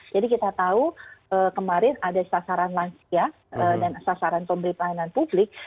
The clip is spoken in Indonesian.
jadi kita tahu kemarin ada sasaran lansia dan sasaran pemberi pelayanan publik